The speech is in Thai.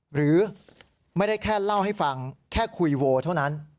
หรือไม่ได้แค่เล่าให้ฟังแค่คุยโวเท่านั้น